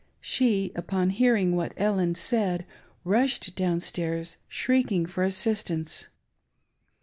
She, upon hearing what Ellen said, rushed downstairs shrieking for assistance.